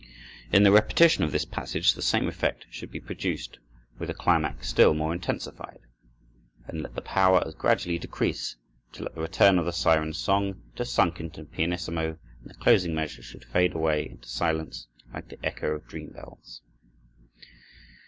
In the repetition of this passage the same effect should be produced, with the climax still more intensified. Then let the power as gradually decrease, till at the return of the siren's song it has sunk into pianissimo and the closing measure should fade away into silence, like the echo of dream bells.